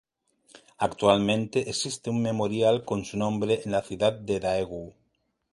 Actualmente, existe un memorial con su nombre en la ciudad de Daegu.